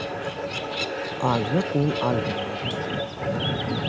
Алйот мин, алйот...